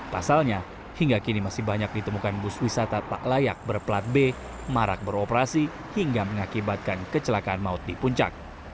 pasalnya hingga kini masih banyak ditemukan bus wisata tak layak berplat b marak beroperasi hingga mengakibatkan kecelakaan maut di puncak